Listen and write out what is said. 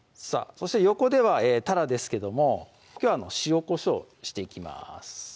そして横ではたらですけどもきょうは塩・こしょうしていきます